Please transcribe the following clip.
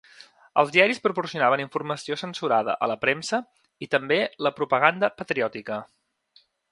Els diaris proporcionaven informació censurada a la premsa i també la propaganda patriòtica.